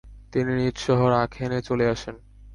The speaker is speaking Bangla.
তিনি নিজ শহর আখেনে চলে আসেন।